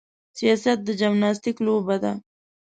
سیاست د جمناستیک لوبه ده.